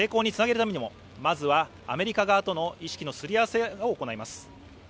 その成功につなげるためにも、まずはアメリカ側との意識のすり合わせを行います。